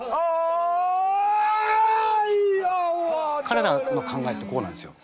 かれらの考えってこうなんですよ。